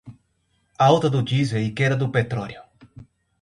Alta do diesel e queda do petróleo